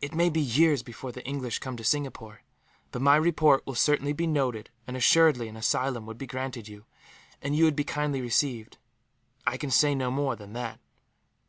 "It may be years before the English come to Singapore; but my report will certainly be noted and, assuredly, an asylum would be granted you, and you would be kindly received. I can say no more than that."